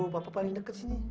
papa paling deket sini